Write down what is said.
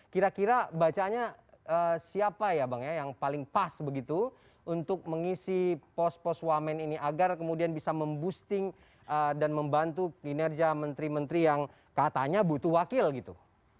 kira kira bacaannya siapa ya bang ya yang paling pas begitu untuk mengisi pos pos wamen ini agar kemudian bisa memboosting dan membantu kinerja menteri menteri yang katanya butuh wakil gitu